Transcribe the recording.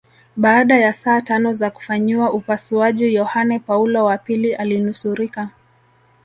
Baada ya saa tano za kufanyiwa upasuaji Yohane Paulo wa pili alinusurika